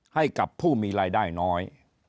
ให้กับผู้มีรายได้น้อย